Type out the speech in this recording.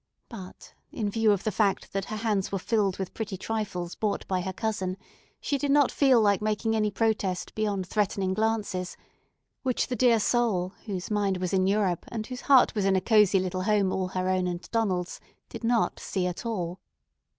But in view of the fact that her hands were filled with pretty trifles bought by her cousin she did not feel like making any protest beyond threatening glances, which the dear soul whose mind was in Europe, and whose heart was in a cozy little home all her own and Donald's, did not see at all.